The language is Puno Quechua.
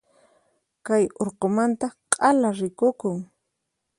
Kay urqumanta k'ala rikukun.